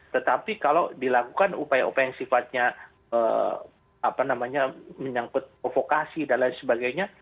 tetapi kalau dilakukan upaya upaya yang sifatnya menyangkut provokasi dan lain sebagainya